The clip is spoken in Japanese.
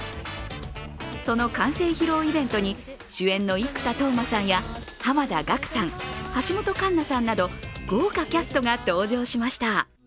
その完成披露イベントに主演の生田斗真さんや濱田岳さん、橋本環奈さんなど豪華キャストが登場しました。